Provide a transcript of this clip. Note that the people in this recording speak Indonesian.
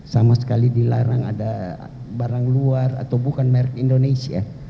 sama sekali dilarang ada barang luar atau bukan merek indonesia